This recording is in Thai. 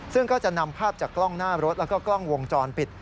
ซึ่งก็จะนำภาพจากกล้องหน้ารถแล้วก็กล้องวงจรปิด